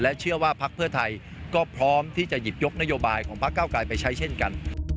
เชื่อว่าพักเพื่อไทยก็พร้อมที่จะหยิบยกนโยบายของพักเก้าไกลไปใช้เช่นกัน